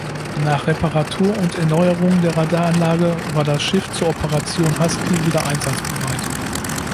Nach Reparatur und Erneuerung der Radaranlage war das Schiff zur Operation Husky wieder einsatzbereit.